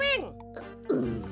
ううん。